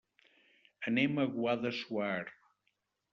Anem a Guadassuar.